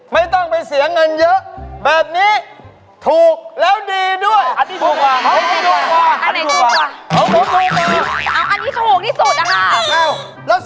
ไม่ต้องไปเสียเงินเยอะแบบนี้ถูกแล้วดีด้วย